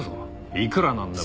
いくらなんでも。